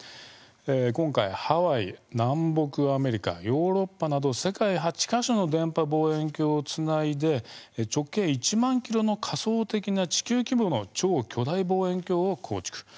今回ハワイ、南北アメリカヨーロッパなど世界８か所の電波望遠鏡をつないで直径１万ｋｍの仮想的な地球規模の超巨大望遠鏡を構築。